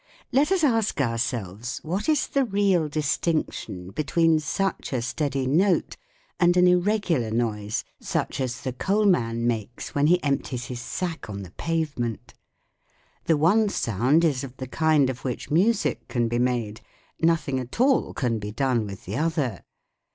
Let us ask ourselves what is the real distinction between such a steady note and an ir regular noise such as the coal man makes when he empties his sack on the pavement. The one sound is of the kind of which music can be made ; nothing at all can be done with the other.